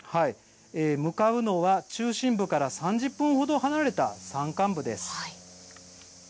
向かうのは中心部から３０分ほど離れた山間部です。